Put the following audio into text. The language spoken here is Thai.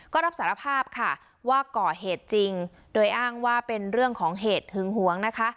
ก็รับสารภาพค่ะว่าก่อเหตุจริงโดยอ้างว่าเป็นเรื่องของเหตุหึงหวงนะคะ